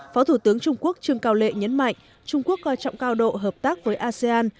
phó thủ tướng trung quốc trương cao lệ nhấn mạnh trung quốc coi trọng cao độ hợp tác với asean